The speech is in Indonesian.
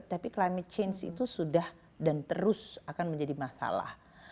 tapi climate change itu sudah dan terus akan menjadi masalah